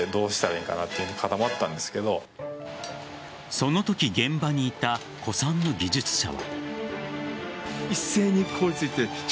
そのとき現場にいた古参の技術者は。